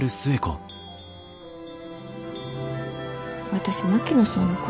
私槙野さんのこと